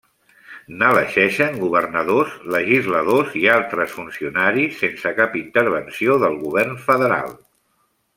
N'elegeixen governadors, legisladors i altres funcionaris, sense cap intervenció del govern federal.